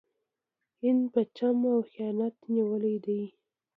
هند په چم او خیانت نیولی دی.